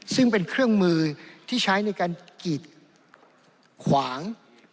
ซึ่งเป็นเครื่องมือที่ใช้ในการกีดขวาง